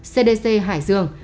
cdc hải dương